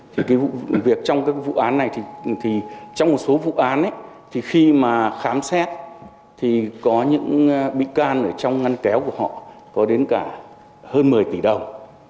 thì cái vụ làm việc trong các vụ án này thì trong một số vụ án thì khi mà khám xét thì có những bị can ở trong ngăn kéo của họ có đến cả hơn một mươi tỷ đồng